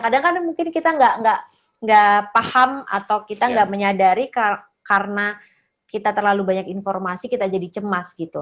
kadang kadang mungkin kita nggak paham atau kita nggak menyadari karena kita terlalu banyak informasi kita jadi cemas gitu